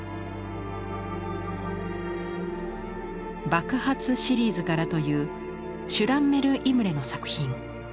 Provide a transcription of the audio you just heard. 「爆発シリーズから」というシュランメル・イムレの作品。